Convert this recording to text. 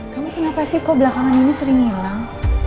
kamu kenapa sih kok belakangan ini sering hilang